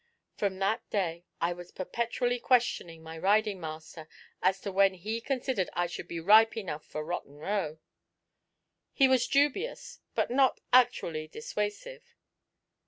From that day I was perpetually questioning my riding master as to when he considered I should be ripe enough for Rotten Row. He was dubious, but not actually dissuasive.